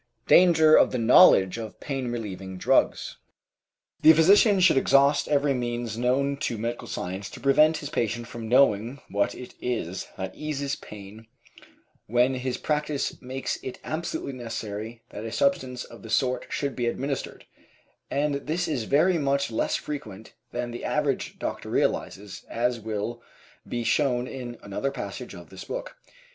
DANGER OF THE KNOWLEDGE OF PAIN RELIEVING DRUGS The physician should exhaust every means known to medical science to prevent his patient from knowing what it is that eases pain when his practice makes it absolutely necessary that a substance of the sort should be administered, and this is very much less frequent than the average doctor realizes, as will be shown in another passage of this book.